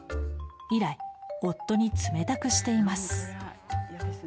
以来、夫に冷たくしています。